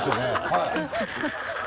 はい。